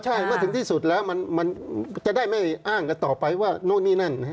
ใช่เมื่อถึงที่สุดแล้วมันจะได้ไม่อ้างกันต่อไปว่านู่นนี่นั่น